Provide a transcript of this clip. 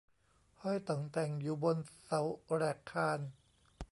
ห้อยต่องแต่งอยู่บนเสาแหรกคาน